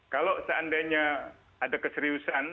kalau seandainya ada keseriusan